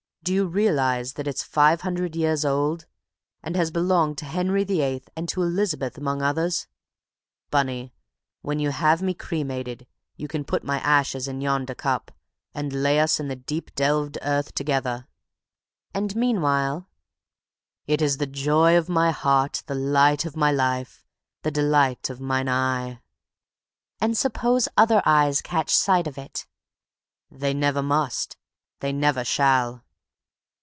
Do you realize that it's five hundred years old and has belonged to Henry the Eighth and to Elizabeth among others? Bunny, when you have me cremated, you can put my ashes in yonder cup, and lay us in the deep delved earth together!" "And meanwhile?" "It is the joy of my heart, the light of my life, the delight of mine eye." "And suppose other eyes catch sight of it?" "They never must; they never shall."